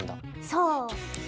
そう！